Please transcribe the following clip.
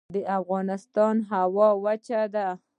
د افغانستان هوا وچه ده